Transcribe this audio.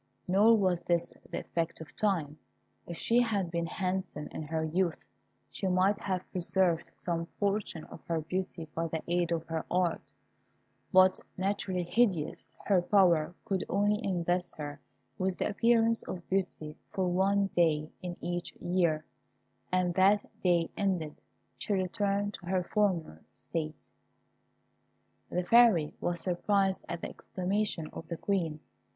Nor was this the effect of time. If she had been handsome in her youth, she might have preserved some portion of her beauty by the aid of her art; but naturally hideous, her power could only invest her with the appearance of beauty for one day in each year, and that day ended, she returned to her former state. The Fairy was surprised at the exclamation of the Queen.